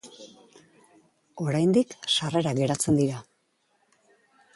Oraindik sarrerak geratzen dira.